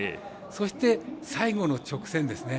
そして、最後の直線ですね。